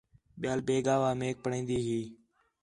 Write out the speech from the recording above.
ٻِیال بیگھا وا میک پڑھائین٘دی ہی